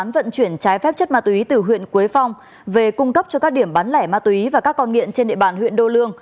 và các vùng phụ cận